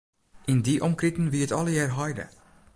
Yn dy omkriten wie it allegear heide.